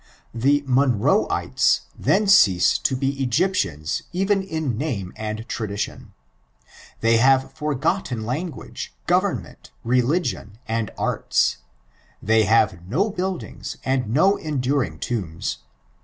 The Monroeitea then ceaae to be Egyptiana even in name and tradition. They have forgotten langoage, government* religion, and aita. They have no boildinga, and no enduring tomba.